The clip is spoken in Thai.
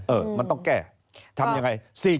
เออมันต้องแก้ทำอย่างไร๔๐อ่ะ